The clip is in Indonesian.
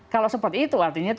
kalau seperti itu artinya